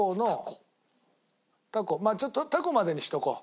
まあちょっと凧までにしとこう。